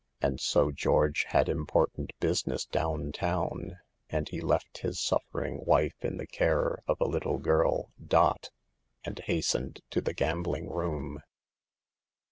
And so George had important busi ness down town, and he left his suffering wife in the care of a little girl, " Dot," and hastened to the gambling room.